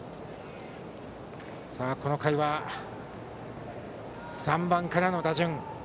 この回は３番からの打順。